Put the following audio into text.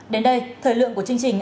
đến đây thời lượng của chương trình